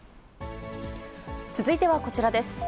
続いてはこちらです。